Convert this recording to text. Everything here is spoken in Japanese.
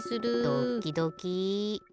ドッキドキ。